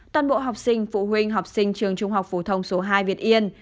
toàn bộ học sinh phụ huynh học sinh trường trung học phổ thông số hai việt yên